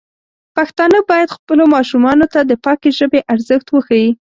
پښتانه بايد خپلو ماشومانو ته د پاکې ژبې ارزښت وښيي.